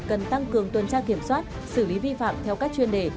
cần tăng cường tuần tra kiểm soát xử lý vi phạm theo các chuyên đề